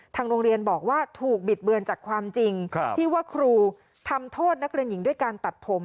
ทางโรงเรียนบอกว่าถูกบิดเบือนจากความจริงที่ว่าครูทำโทษนักเรียนหญิงด้วยการตัดผม